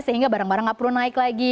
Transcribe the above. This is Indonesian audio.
sehingga barang barang nggak perlu naik lagi